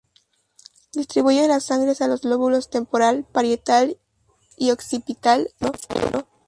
Distribuye la sangre hacia los lóbulos temporal, parietal y occipital del cerebro.